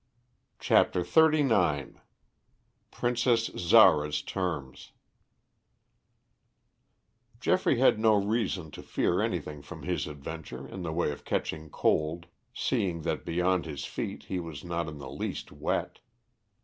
CHAPTER XXXIX PRINCESS ZARA'S TERMS Geoffrey had no reason to fear anything from his adventure in the way of catching cold, seeing that beyond his feet he was not in the least wet.